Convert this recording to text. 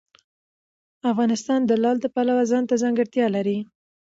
افغانستان د لعل د پلوه ځانته ځانګړتیا لري.